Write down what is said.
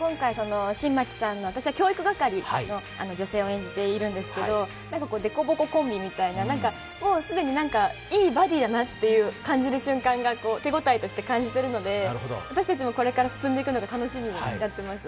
私は今回教育係の女性を演じているんですけれども、でこぼこコンビみたいな既にいいバディだなと感じる瞬間が手応えとして感じているので私たちもこれから進んでいくのが楽しみになっています。